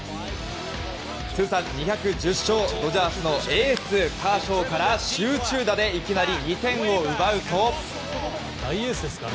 通算２１０勝、ドジャースのエース、カーショーから集中打でいきなり２点を奪うと。